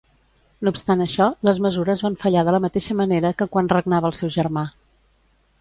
No obstant això, les mesures van fallar de la mateixa manera que quan regnava el seu germà.